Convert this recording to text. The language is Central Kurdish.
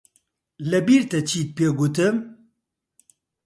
لەبیرتە چیت پێ گوتم؟